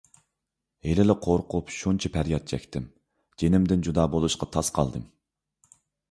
ھېلىلا قورقۇپ شۇنچە پەرياد چەكتىم، جېنىمدىن جۇدا بولۇشقا تاس قالدىم.